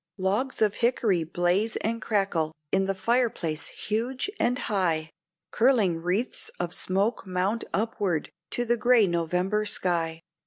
Logs of hickory blaze and crackle in the fireplace huge anti high, Curling wreaths of smoke mount upward to the gray November sky.